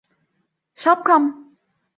Şapkam!